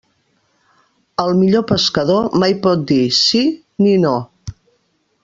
El millor pescador mai pot dir sí ni no.